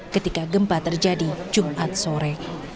ketika gempa terjadi jumat sore